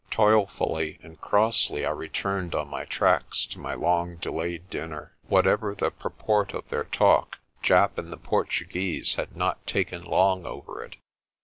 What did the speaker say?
Toilfully and crossly I returned on my tracks to my long delayed dinner. Whatever the purport of their talk, Japp and the Portuguese had not taken long over it.